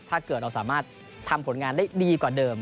ถ้าเกิดเราสามารถทำผลงานได้ดีกว่าเดิม